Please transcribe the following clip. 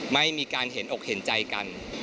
ไม่มีการเห็นอกเห็นใจกัน